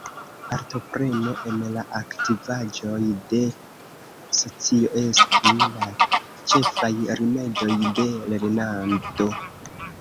Partopreno en la aktivaĵoj de socio estu la ĉefaj rimedoj de lernado.